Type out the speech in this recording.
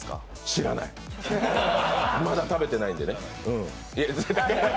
知らない、まだ食べてないんでね。